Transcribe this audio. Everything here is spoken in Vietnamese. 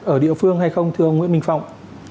ở địa phương hay không thưa ông nguyễn minh phong